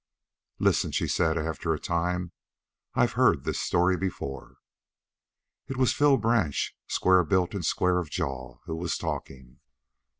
"Listen," she said after a time, "I've heard this story before." It was Phil Branch, square built and square of jaw, who was talking.